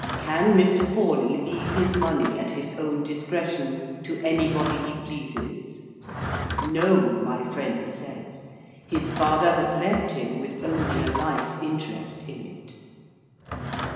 'Can Mr. Forley leave his money at his own discretion to anybody he pleases?' 'No,' my friend says, 'his father has left him with only a life interest in it.